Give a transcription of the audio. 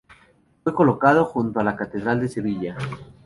Fue colocado junto a la Catedral de Sevilla.